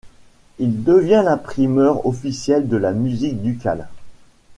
Il devient l'imprimeur officiel de la musique ducale.